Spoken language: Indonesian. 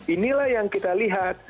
inilah yang kita lihat